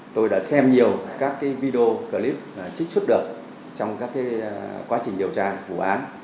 tôi đã xem nhiều các video clip trích xuất được trong các quá trình điều tra vụ án